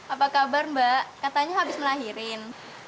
apa kabar mbak katanya habis melahirin